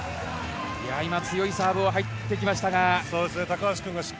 今強いサーブが入ってきましたが。